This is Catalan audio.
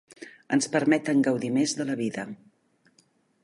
Ens permeten gaudir més de la vida.